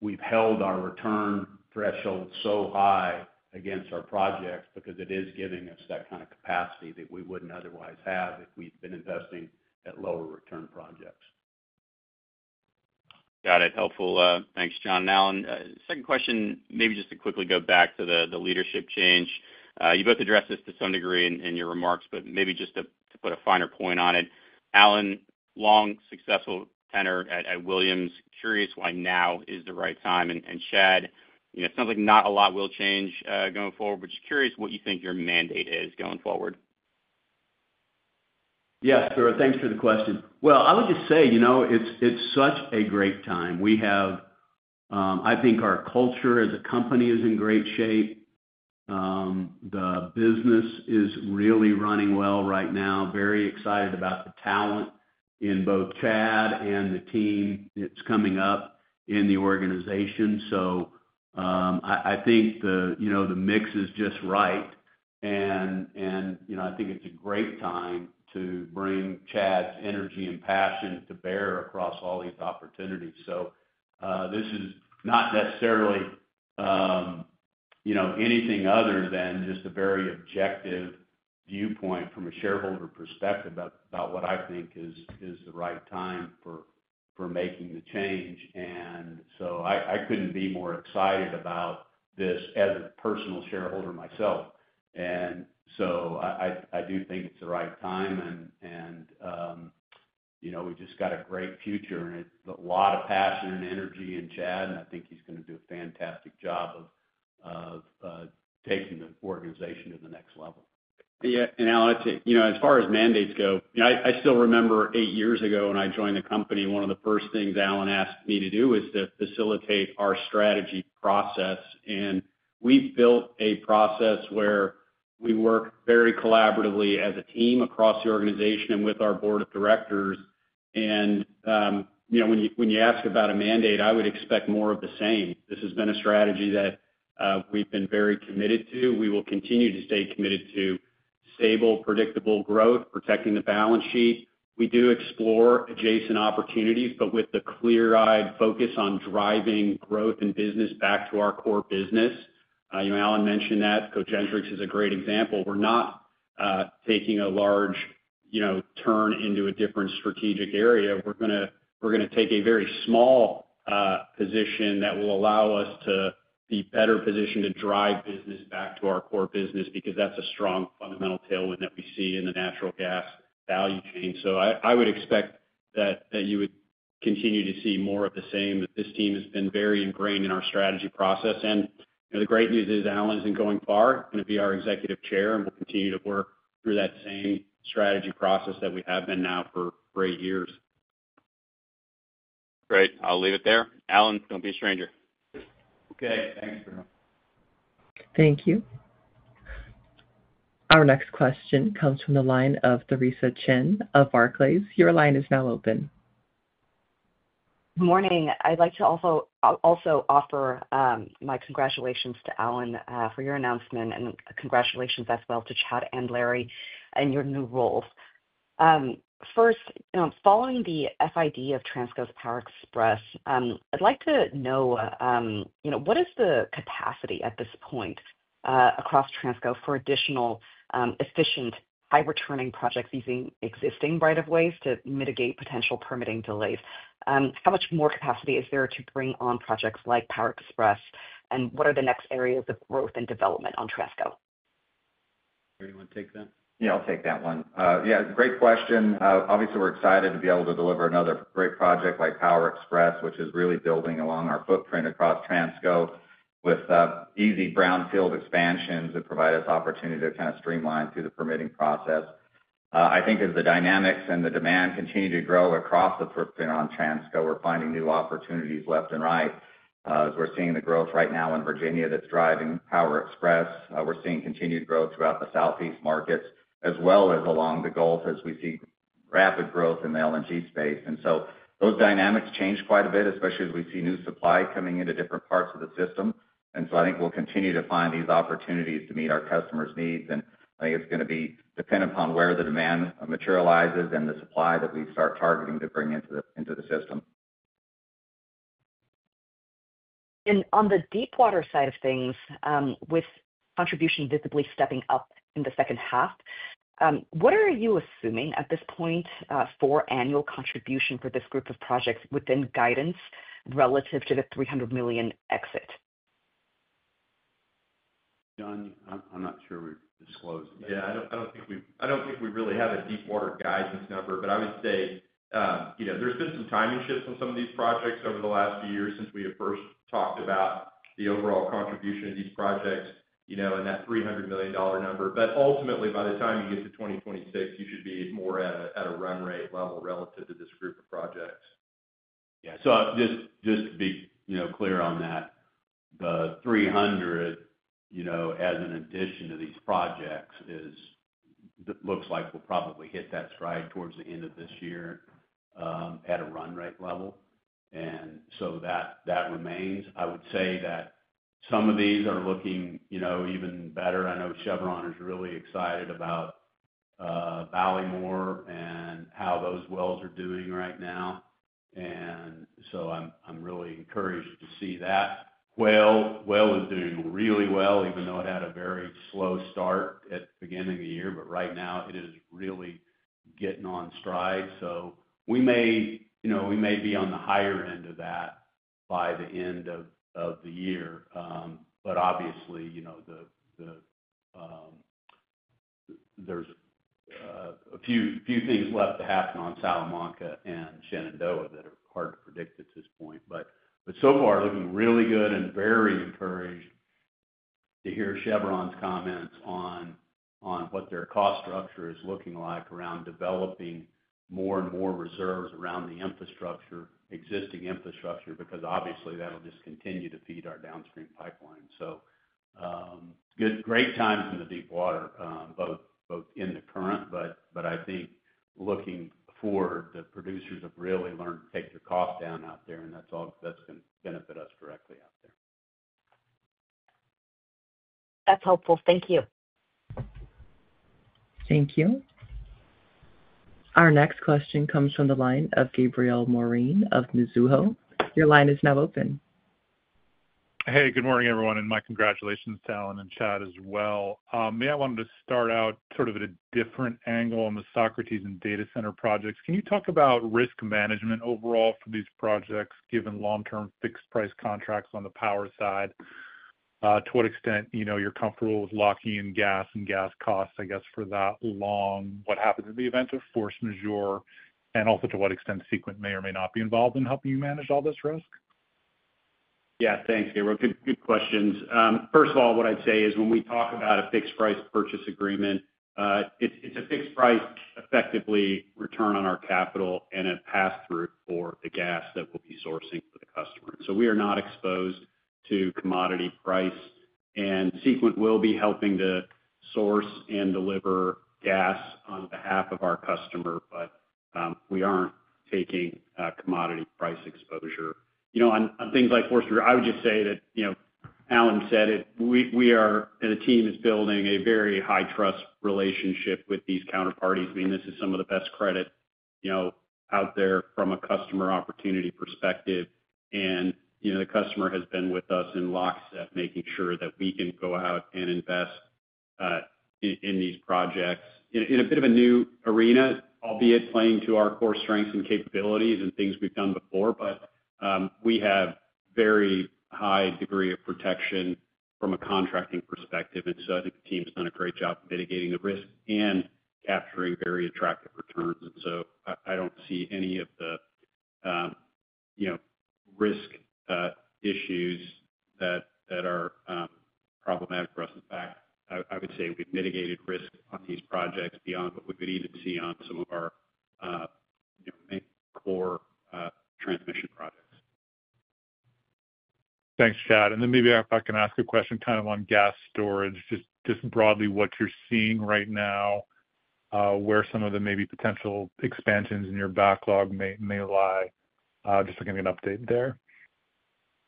Speaker 3: we've held our return threshold so high against our projects because it is giving us that kind of capacity that we wouldn't otherwise have if we'd been investing at lower-return projects.
Speaker 8: Got it. Helpful. Thanks, John and Alan, second question. Maybe just to quickly go back to the leadership change. You both addressed this to some degree in your remarks, but maybe just to put a finer point on it, Alan, long, successful tenure at Williams. Curious why now is the right time and Chad, it sounds like not a lot will change going forward, but just curious what you think your mandate is going forward.
Speaker 3: Yes, sir. Thanks for the question. I would just say, you know, it's such a great time we have. I think our culture as a company is in great shape. The business is really running well right now. Very excited about the talent in both Chad and the team that's coming up in the organization. I think the mix is just right and I think it's a great time to bring Chad's energy and passion to bear across all these opportunities. This is not necessarily anything other than just a very objective viewpoint from a shareholder perspective about what I think is the right time for making the change. I couldn't be more excited about this as a personal shareholder myself. I do think it's the right time. And you know, we just got a great future and a lot of passion and energy in Chad and I think he's going to do a fantastic job of taking the organization to the next level.
Speaker 5: Alan, as far as mandates go, I still remember eight years ago when I joined the company, one of the first things Alan asked me to do is to facilitate our strategy process. We have built a process where we work very collaboratively as a team across the organization and with our board of directors. You know, when you ask about a mandate, I would expect more of the same. This has been a strategy that we have been very committed to. We will continue to stay committed to stable, predictable growth, protecting the balance sheet. We do explore adjacent opportunities but with the clear-eyed focus on driving growth and business back to our core business. You know, Alan mentioned that Cogentrix is a great example. We're not taking a large, you know, turn into a different strategic area. We're going to take a very small position that will allow us to be better positioned to drive business back to our core business because that's a strong fundamental tailwind that we see in the natural gas. I would expect that you would continue to see more of the same. This team has been very ingrained in our strategy process and the great news is Alan isn't going far, going to be our Executive Chair and will continue to work through that same strategy process that we have been now for eight years.
Speaker 8: Great. I'll leave it there. Alan, don't be a stranger.
Speaker 3: Okay, thanks.
Speaker 1: Thank you. Our next question comes from the line of Theresa Chen of Barclays. Your line is now open.
Speaker 9: Good morning. I'd like to also offer my congratulations to Alan for your announcement and congratulations as well to Chad and Larry and your new roles. First, following the FID of Transco's Power Express, I'd like to know what is the capacity at this point across Transco for additional efficient high-returning projects using existing right-of-ways to mitigate potential permitting delays. How much more capacity is there to bring on projects like Power Express and what are the next areas of growth and development on Transco?
Speaker 3: You want to take that?
Speaker 10: Yeah, I'll take that one. Yeah, great question. Obviously we're excited to be able to deliver another great project like Power Express, which is really building along our footprint across Transco with easy brownfield expansions that provide us opportunity to kind of streamline through the permitting process. I think as the dynamics and the demand continue to grow across the Transco, we're finding new opportunities left and right. As we're seeing the growth right now in Virginia that's driving Power Express, we're seeing continued growth throughout the southeast markets as well as along the Gulf as we see rapid growth in the LNG space. Those dynamics change quite a bit, especially as we see new supply coming into different parts of the system. I think we'll continue to find these opportunities to meet our customers' needs. I think it's going to be dependent upon where the demand materializes and the supply that we start targeting to bring into the system.
Speaker 9: On the deepwater side of things, with contribution visibly stepping up in the second half, what are you assuming at this point for annual contribution for this group of projects within guidance relative to the $300 million exit?
Speaker 3: John? I'm not sure we disclosed.
Speaker 4: Yeah, I do not think we really have a Deepwater guidance number, but I would say there has been some timing shifts on some of these projects over the last few years since we first talked about the overall contribution of these projects and that $300 million number. Ultimately, by the time you get to 2026, you should be more at a run rate level relative to this group of projects.
Speaker 3: Yeah. So just to be clear, the 300 as an addition to these projects looks like we'll probably hit that stride towards the end of this year at a run rate level. That remains, I would say that some of these are looking even better. I know Chevron is really excited about Ballymore and how those wells are doing right now. I'm really encouraged to see that well is doing really well even though it had a very slow start at the beginning of the year. Right now it is really getting on stride. We may be on the higher end of that by the end of the year. Obviously, there are a few things left to happen on Salamanca and Shenandoah that are hard to predict at this point. So far looking really good and very encouraged to hear Chevron's comments on what their cost structure is looking like around developing more and more reserves around the infrastructure, existing infrastructure, because obviously that will just continue to feed our downstream pipeline. Great times in the Deepwater, both in the current. I think looking forward the producers have really learned to take their cost down out there and that's going to benefit us directly out there.
Speaker 9: That's helpful. Thank you.
Speaker 1: Thank you. Our next question comes from the line of Gabriel Moreen of Mizuho. Your line is now open.
Speaker 11: Hey, good morning everyone. My congratulations to Alan and Chad as well. I wanted to start out sort of at a different angle on the Socrates and data center projects. Can you talk about risk management overall for these projects given long term fixed price contracts on the power side, to what extent, you know, you're comfortable with locking in gas and gas costs, I guess, for that long. What happens in the event of force majeure and also to what extent Sequent may or may not be involved in helping you manage all this risk?
Speaker 5: Yeah, thanks Gabriel. Good questions. First of all, what I'd say is when we talk about a fixed price purchase agreement, it's a fixed price effectively return on our capital and a pass through for the gas that we'll be sourcing for the customer, so we are not exposed to commodity price. Sequent will be helping to source and deliver gas on behalf of our customer, we aren't taking commodity price exposure. You know, on things like force majeure. I would just say that, you know, Alan said it, we are, the team is building a very high trust relationship with these counterparties. I mean this is some of the best credit, you know, out there from a customer opportunity perspective. You know, the customer has been with us in lockstep making sure that we can go out and invest in these projects in a bit of a new arena, albeit playing to our core strengths and capabilities and things we've done before. We have a very high degree of protection from a contracting perspective. I think the team's done a great job mitigating the risk and capturing very attractive returns. I do not see any of the, you know, risk issues that are problematic for us. In fact, I would say we've mitigated risk on these projects beyond what we would even see on some of our core transmission projects.
Speaker 11: Thanks, Chad. Maybe if I can ask a question kind of on gas storage, just broadly what you're seeing right now, where some of the maybe potential expansions in your backlog may lie. Just looking at an update there.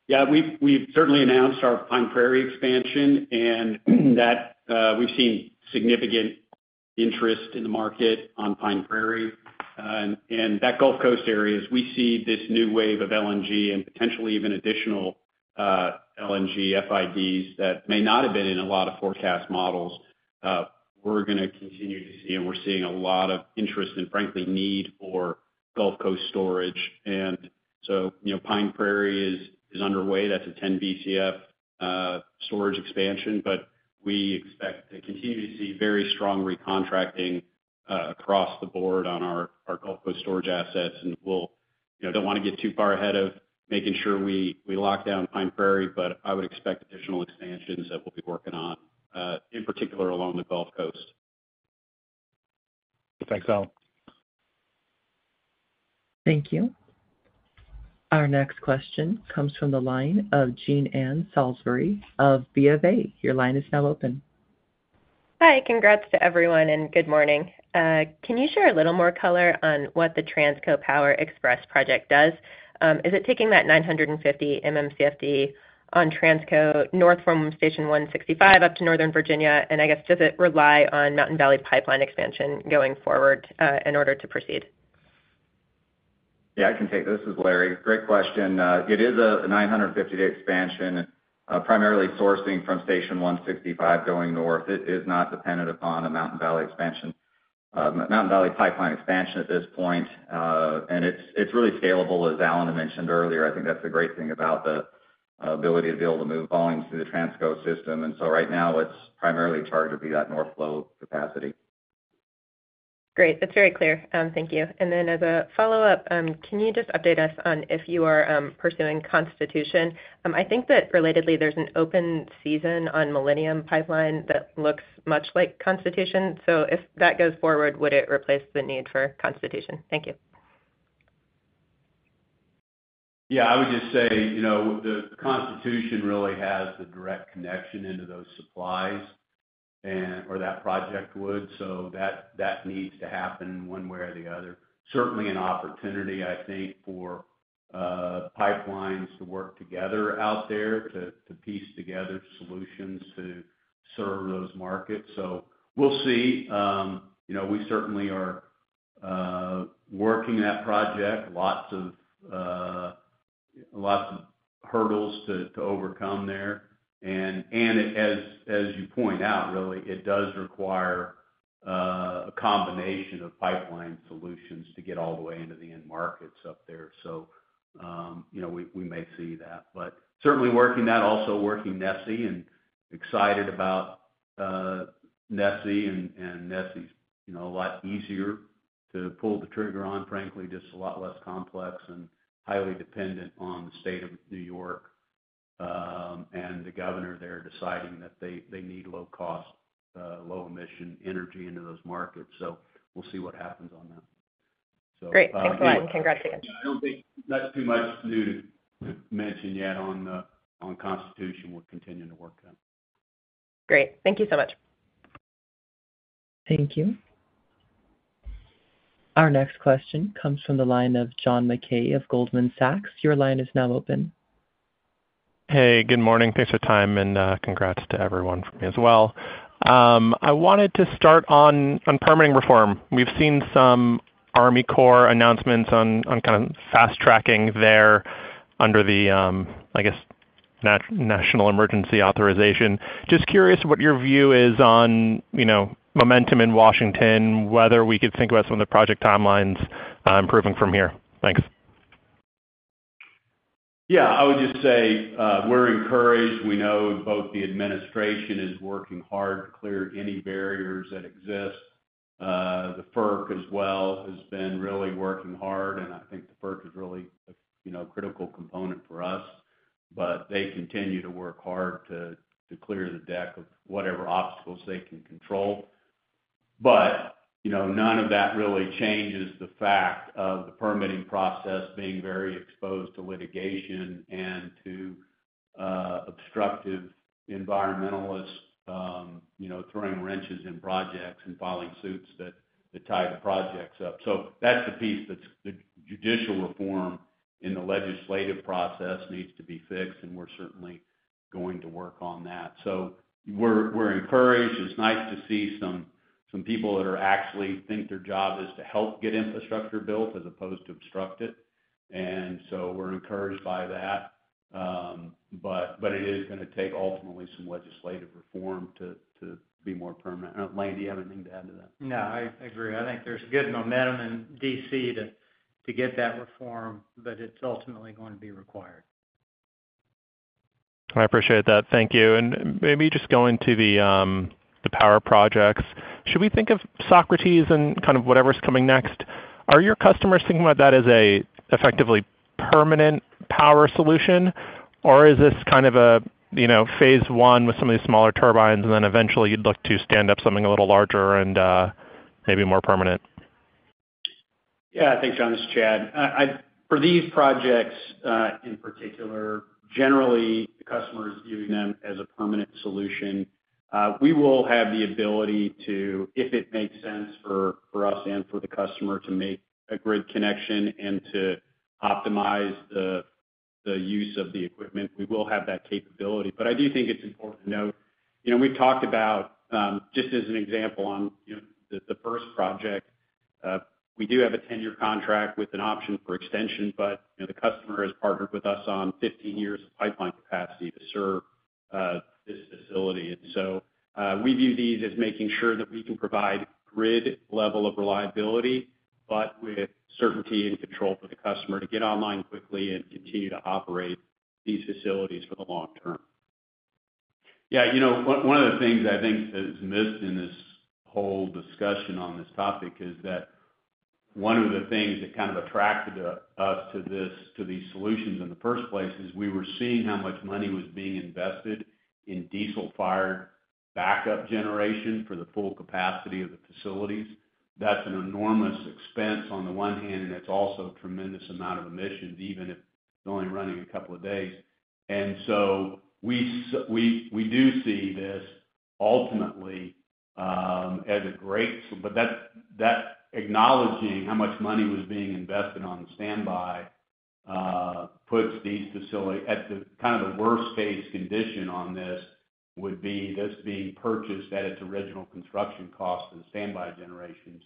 Speaker 5: Yeah. We've certainly announced our Pine Prairie expansion and that we've seen significant interest in the market on Pine Prairie and that Gulf Coast area as we see this new wave of LNG and potentially even additional LNG FIDs that may not have been in a lot of forecast models. We're going to continue to see and we're seeing a lot of interest and frankly need for Gulf Coast Storage. You know, Pine Prairie is underway. That's a 10 Bcf storage expansion. We expect to continue to see very strong recontracting across the board on our Gulf Coast Storage assets. We do not want to get too far ahead of making sure we lock down Pine Prairie. I would expect additional expansions that we'll be working on in particular along the Gulf Coast. Thanks, Al.
Speaker 1: Thank you. Our next question comes from the line of Jean Ann Salisbury of BofA. Your line is now open.
Speaker 12: Hi. Congrats to everyone and good morning. Can you share a little more color on what the Transco Power Express project does? Is it taking that 950 MMcf/d on Transco north from Station 165 up to Northern Virginia, and I guess does it rely on Mountain Valley Pipeline expansion going forward in order to proceed?
Speaker 10: Yeah, I can take this. This is Larry, great question. It is a 950 MMcf/d expansion primarily sourcing from Station 165 going north. It is not dependent upon a Mountain Valley Pipeline expansion at this point and it is really scalable as Alan mentioned earlier. I think that is the great thing about the ability to be able to move volumes through the Transco system. Right now it is primarily targeted to be that north flow capacity.
Speaker 12: Great, that's very clear. Thank you. As a follow up, can you just update us on if you are pursuing Constitution? I think that relatedly there's an open season on Millennium Pipeline that looks much like Constitution. If that goes forward, would it replace the need for Constitution? Thank you.
Speaker 3: Yeah, I would just say, you know the Constitution really has the direct connection into those supplies or that project would. That needs to happen one way or the other. Certainly an opportunity I think for pipelines to work together out there to piece together solutions to serve those markets. We will see. We certainly are working that project. Lots of hurdles to overcome there and as you point out really it does require a combination of pipeline solutions to get all the way into the end markets up there. We may see that but certainly working that, also working NESE and excited about NESE, and NESE is a lot easier to pull the trigger on. Frankly just a lot less complex and highly dependent on the state of New York and the governor there deciding that they need low cost, low emission energy into those markets. We'll see what happens on that.
Speaker 12: Great, thanks a lot and congrats again.
Speaker 3: I don't think not too much new to mention yet on Constitution, we're continuing to work them.
Speaker 12: Great. Thank you so much.
Speaker 1: Thank you. Our next question comes from the line of John Mackay of Goldman Sachs. Your line is now open.
Speaker 13: Hey, good morning. Thanks for time and congrats to everyone from here as well. I wanted to start on permitting reform. We've seen some Army Corps announcements on kind of fast tracking there under the I guess National Emergency Authorization. Just curious what your view is on momentum in Washington. Whether we could think about some of the project timelines improving from here. Thanks.
Speaker 3: Yeah, I would just say we're encouraged. We know both the administration is working hard to clear any barriers that exist. The FERC as well, has been really working hard and I think the FERC is really a critical component for us, but they continue to work hard to clear the deck of whatever obstacles they can control. None of that really changes the fact of the permitting process being very exposed to litigation and to obstructive environmentalists throwing wrenches in projects and filing suits that tie the projects up. That's the piece that judicial reform in the legislative process needs to be fixed. We're certainly going to work on that. We're encouraged, it's nice to see some people that actually think their job is to help get infrastructure built as opposed to obstruct it. We are encouraged by that. It is going to take ultimately some legislative reform to be more permanent. Lane, do you have anything to add to that?
Speaker 14: No, I agree. I think there's good momentum in D.C. to get that reform, but it's ultimately going to be required.
Speaker 13: I appreciate that. Thank you. Maybe just going to the power projects, should we think of Socrates and kind of whatever's coming next, are your customers thinking about that as a effectively permanent power solution or is this kind of a phase one with some of these smaller turbines and then eventually you'd look to stand up something a little larger and maybe more permanent?
Speaker 5: Yeah. Thanks, John. This is Chad. For these projects in particular, generally the customer is viewing them as a permanent solution. We will have the ability to, if it makes sense for us and for the customer to make a grid connection and to optimize the use of the equipment, we will have that capability. I do think it's important to note, you know, we talked about, just as an example, on the first project, we do have a 10-year contract with an option for extension. The customer has partnered with us on 15 years of pipeline capacity to serve this facility. We view these as making sure that we can provide grid level of reliability, but with certainty and control for the customer to get online quickly and continue to operate these facilities for the long term.
Speaker 3: Yeah. You know, one of the things I think is missed in this whole discussion on this topic is that one of the things that kind of attracted us to this, to these solutions in the first place is we were seeing how much money was being invested in diesel-fired backup generation for the full capacity of the facilities. That's an enormous expense on the one hand, and it's also a tremendous amount of emissions, even if only running a couple of days. We do see this ultimately as a great. That acknowledging how much money was being invested on standby puts these facilities at kind of the worst-case condition on this would be this being purchased at its original construction cost and standby generation.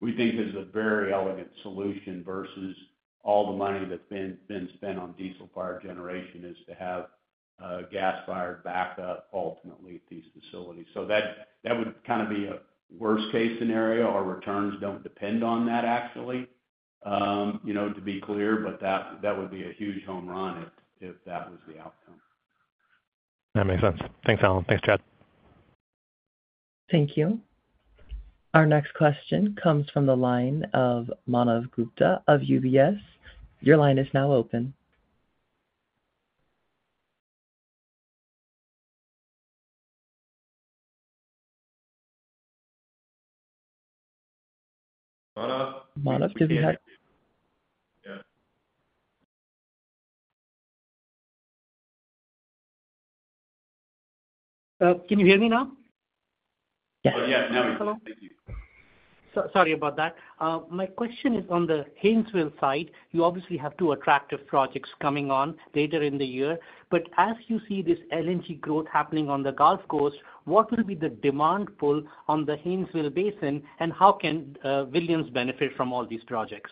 Speaker 3: We think this is a very elegant solution versus all the money that's been spent on diesel power generation is to have gas fired backup ultimately at these facilities. That would kind of be a worst case scenario. Our returns don't depend on that actually, you know, to be clear. That would be a huge home run if that was the outcome.
Speaker 13: That makes sense. Thanks Alan. Thanks Chad.
Speaker 1: Thank you. Our next question comes from the line of Manav Gupta of UBS. Your line is now open.
Speaker 15: Can you hear me now? Sorry about that. My question is on the Haynesville side. You obviously have two attractive projects coming on later in the year. As you see this LNG growth happening on the Gulf Coast, what will be the demand pull on the Haynesville Basin and how can Williams benefit from all these projects?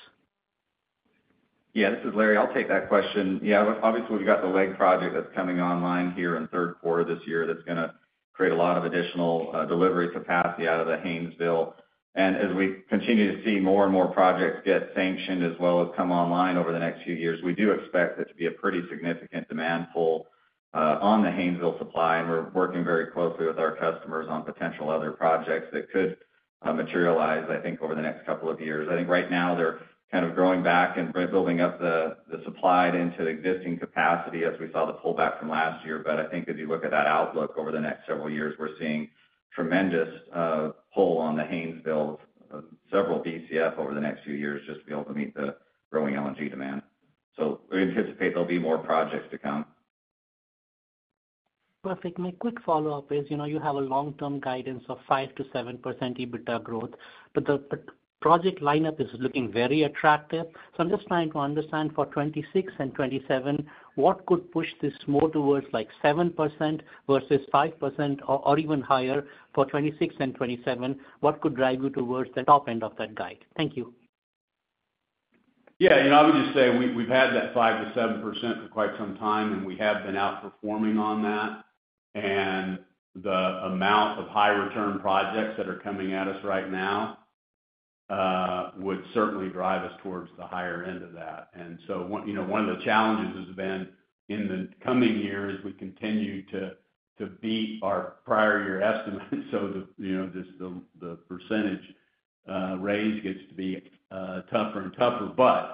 Speaker 10: Yeah, this is Larry, I'll take that question. Obviously we've got the LEG Project that's coming online here in third quarter this year that's going to create a lot of additional delivery capacity out of the Haynesville. As we continue to see more and more projects get sanctioned as well as come online over the next few years, we do expect it to be a pretty significant demand pull on the Haynesville supply. We are working very closely with our customers on potential other projects that could materialize I think over the next couple of years. I think right now they're kind of growing back and building up the supply into the existing capacity as we saw the pullback from last year. I think if you look at that outlook over the next several years, we're seeing tremendous pull on the Haynesville, several Bcf over the next few years just to be able to meet the growing LNG demand. We anticipate there'll be more projects to come.
Speaker 15: Perfect. My quick follow up is, you know, you have a long term guidance of 5%-7% EBITDA growth but the project lineup is looking very attractive. I'm just trying to understand for 2026 and 2027 what could push this more towards like 7% versus 5% or even higher for 2026 and 2027. What could drive you towards the top end of that guide? Thank you.
Speaker 3: Yeah, you know, I would just say we've had that 5%-7% for quite some time and we have been outperforming on that and the amount of high return projects that are coming at us right now would certainly drive us towards the higher end of that. You know, one of the challenges has been in the coming years. We continue to beat our prior year estimates. So the percentage raised gets to be tougher and tougher.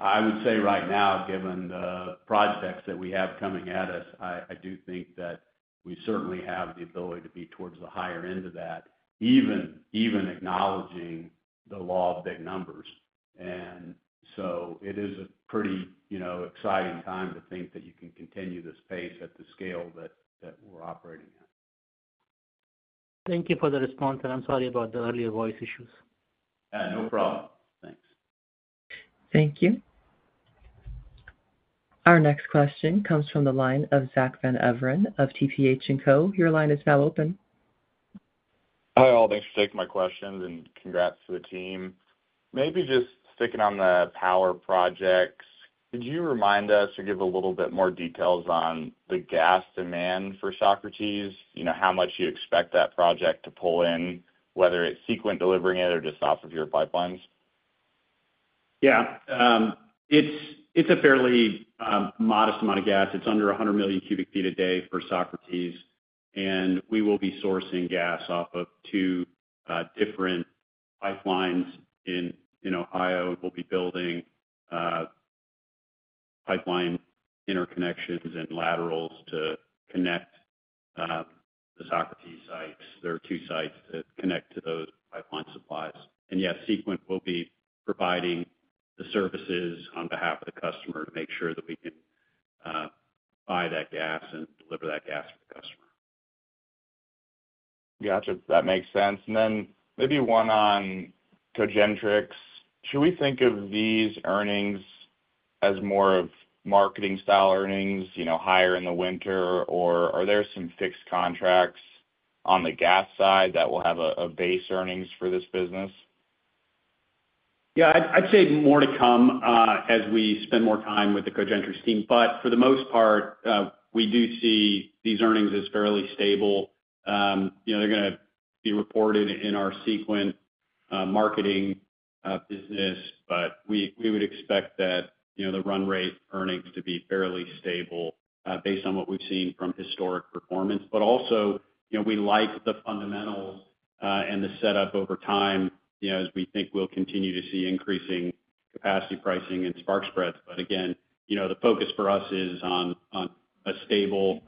Speaker 3: I would say right now, given the projects that we have coming at us, I do think that we certainly have the ability to be towards the higher end of that, even acknowledging the law of big numbers. It is a pretty exciting time to think that you can continue this pace at the scale that we're operating at.
Speaker 15: Thank you for the response and I'm sorry about the earlier voice issues.
Speaker 3: No problem. Thanks.
Speaker 1: Thank you. Our next question comes from the line of Zach Van Everen of TPH&Co. Your line is now open.
Speaker 16: Hi all. Thanks for taking my questions and congrats to the team. Maybe just sticking on the power projects. Could you remind us or give a little bit more details on the gas demand for Socrates? You know, how much you expect that project to pull in, whether it's Sequent delivering it or just off of your pipelines?
Speaker 5: Yeah, it's a fairly modest amount of gas. It's under 100 MMcf/d for Socrates. We will be sourcing gas off of two different pipelines in Ohio. We'll be building pipeline interconnections and laterals to connect the Socrates sites. There are two sites that connect to those pipeline supplies and yes, Sequent will be providing the services on behalf of the customer to make sure that we can buy that gas and deliver that gas for the customer.
Speaker 16: Gotcha. That makes sense. Maybe one on Cogentrix. Should we think of these earnings as more of marketing style, earnings higher in the winter, or are there some fixed contracts on the gas side that will have a base earnings for this business?
Speaker 5: Yeah, I'd say more to come as we spend more time with the Cogentrix team. For the most part we do see these earnings as fairly stable. You know, they're going to be reported in our Sequent marketing business, but we would expect that, you know, the run rate earnings to be fairly stable based on what we've seen from historic performance. Also, you know, we like the fundamentals and the setup over time as we think we'll continue to see increasing capacity, pricing and spark spreads. Again, the focus for us is on a stable,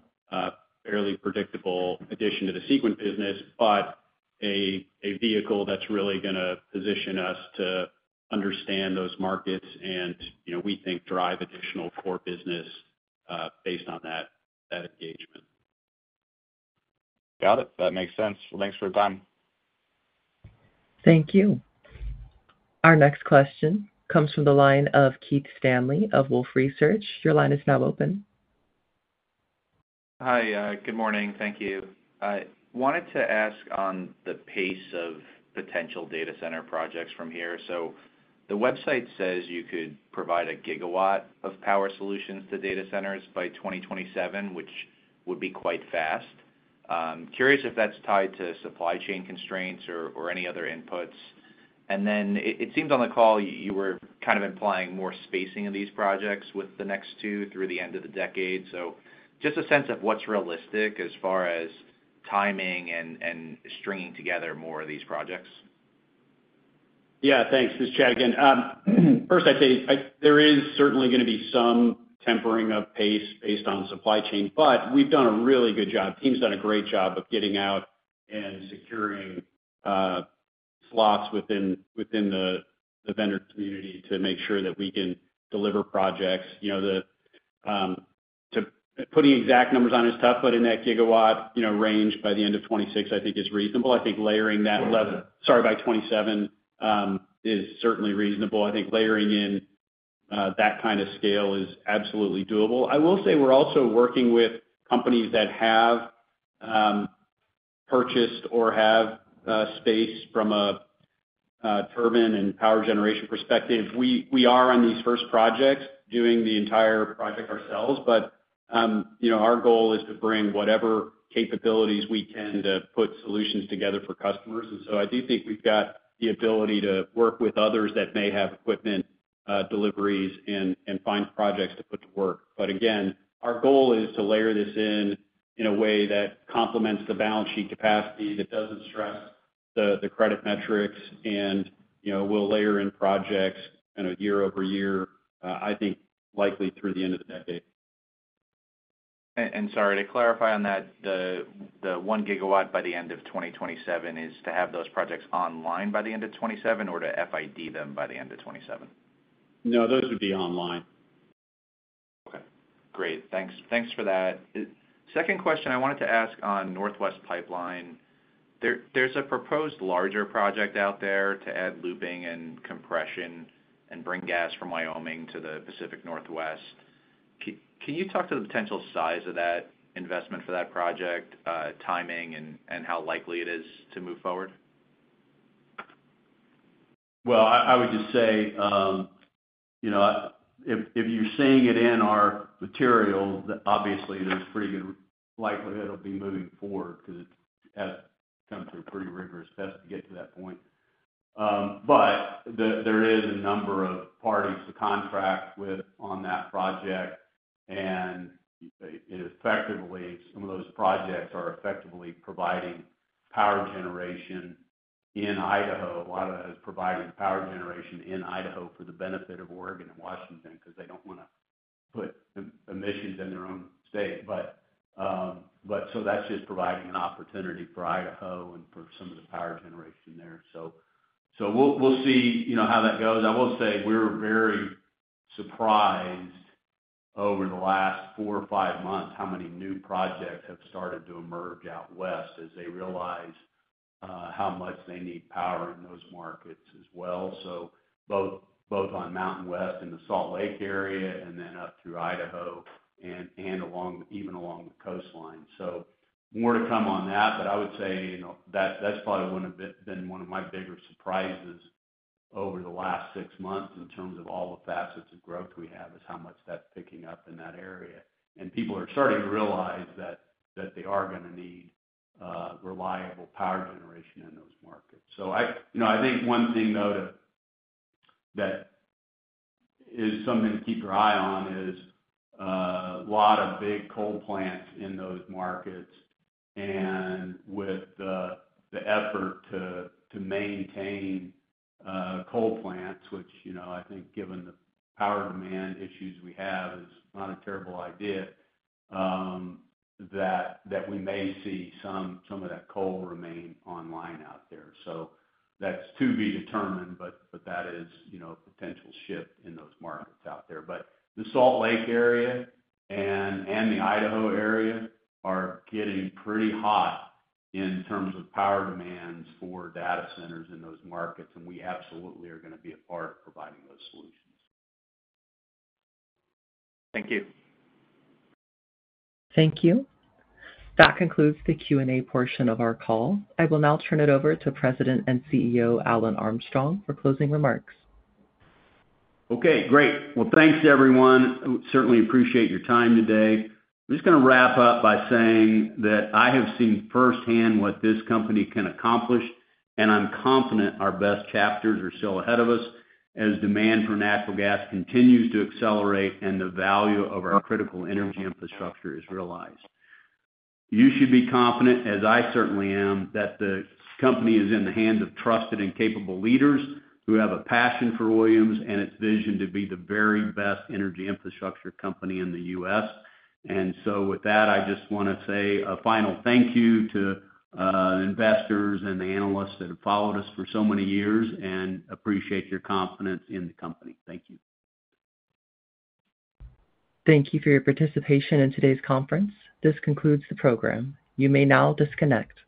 Speaker 5: fairly predictable addition to the Sequent business, but a vehicle that's really going to position us to understand those markets and we think drive additional core business based on that engagement.
Speaker 16: Got it. That makes sense. Thanks for your time.
Speaker 1: Thank you. Our next question comes from the line of Keith Stanley of Wolfe Research. Your line is now open.
Speaker 17: Hi, good morning. Thank you. I wanted to ask on the pace of potential data center projects from here. The website says you could provide a gigawatt of power solutions to data centers by 2027, which would be quite fast. Curious if that's tied to supply chain constraints or any other inputs. It seemed on the call you were kind of implying more spacing of these projects with the next two through the end of the decade. Just a sense of what's realistic as far as timing and stringing together more of these projects.
Speaker 5: Yeah, thanks. This is Chad again. First, I'd say there is certainly going to be some tempering of pace based on supply chain, but we've done a really good job. Team's done a great job of getting out and securing slots within the vendor community to make sure that we can deliver projects. Putting exact numbers on is tough, but in that gigawatt range by the end of 2026, I think is reasonable. I think layering that level. Sorry, by 2027 is certainly reasonable. I think layering in that kind of scale is absolutely doable. I will say we're also working with companies that have purchased or have space from a turbine and power generation perspective. We are on these first projects doing the entire project ourselves. Our goal is to bring whatever capabilities. We tend to put solutions together for customers. I do think we've got the ability to work with others that may have equipment deliveries and find projects to put to work. Our goal is to layer this in in a way that complements the balance sheet capacity, that does not stress the credit metrics. You know, we will layer in projects year-over-year, I think likely through the end of the decade.
Speaker 17: Sorry to clarify on that, the 1 GW by the end of 2027 is to have those projects online by the end of 2027 or to FID them by the end of 2027.
Speaker 5: No, those would be online.
Speaker 17: Okay, great. Thanks for that. Second question I wanted to ask on Northwest Pipeline. There's a proposed larger project out there to add looping and compression and bring gas from Wyoming to the Pacific Northwest. Can you talk to the potential size of that investment for that project, timing and how likely it is to move forward?
Speaker 3: I would just say, you know, if you're seeing it in our material, obviously there's pretty good likelihood it will be moving forward because it has come to a pretty rigorous test to get to that point. There is a number of parties to contract with on that project. Effectively, some of those projects are effectively providing power generation in Idaho. Idaho is providing power generation in Idaho for the benefit of Oregon and Washington because they don't want to put emissions in their own state. That is just providing an opportunity for Idaho and for some of the power generation in there. We will see how that goes. I will say we are very surprised over the last four or five months how many new projects have started to emerge out west as they realize how much they need power in those markets as well, both on MountainWest in the Salt Lake area and then up through Idaho and even along the coastline. More to come on that. I would say that has probably been one of my bigger surprises over the last six months in terms of all the facets of growth we have is how much that is picking up in that area. People are starting to realize that they are going to need reliable power generation in those markets. I think one thing though, that is something to keep your eye on is a lot of big coal plants in those markets. With the effort to maintain coal plants, which I think given the power demand issues we have, is not a terrible idea, we may see some of that coal remain online out there. That is to be determined. That is a potential shift in those markets out there. The Salt Lake area and the Idaho area are getting pretty hot in terms of power demands for data centers in those markets. We absolutely are going to be a part of providing those solutions.
Speaker 17: Thank you.
Speaker 1: Thank you. That concludes the Q&A portion of our call. I will now turn it over to President and CEO Alan Armstrong for closing remarks.
Speaker 3: Okay, great. Thanks everyone. Certainly appreciate your time today. I'm just going to wrap up by saying that I have seen firsthand what this company can accomplish and I'm confident our best chapters are still ahead of us as demand for natural gas continues to accelerate and the value of our critical energy infrastructure is realized. You should be confident, as I certainly am, that the company is in the hands of trusted and capable leaders who have a passion for Williams and its vision to be the very best energy infrastructure company in the U.S. and with that, I just want to say a final thank you to investors and the analysts that have followed us for so many years and appreciate your confidence in the company. Thank you.
Speaker 1: Thank you for your participation in today's conference. This concludes the program. You may now disconnect.